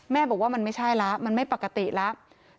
บอกว่ามันไม่ใช่แล้วมันไม่ปกติแล้ว